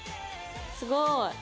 すごい！